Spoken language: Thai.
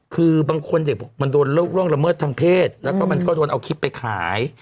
คือบางคนเด็กบอกมันโดนล่วงละเมิดทางเพศแล้วก็มันก็โดนเอาคลิปไปขาย